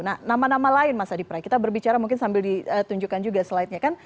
nah nama nama lain mas adi pray kita berbicara mungkin sambil ditunjukkan juga slide nya kan